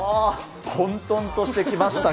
混とんとしてきました。